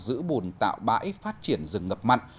giữ bùn tạo bãi phát triển rừng ngập mặn